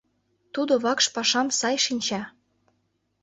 Тудо вакш пашам сай шинча.